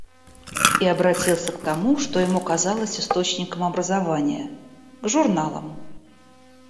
И обратился к тому, что ему казалось источником образования, — к журналам.